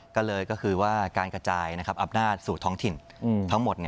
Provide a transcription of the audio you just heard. ก็เลยก็คือว่าการกระจายอำนาจสู่ท้องถิ่นทั้งหมด